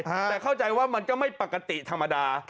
แต่เข้าใจว่ามันก็ไม่ปกติธรรมดา